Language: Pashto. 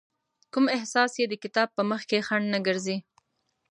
کوم احساس يې د کتاب په مخکې خنډ نه ګرځي.